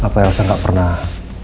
apa elsa gak pernah